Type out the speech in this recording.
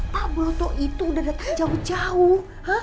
pak broto itu udah datang jauh jauh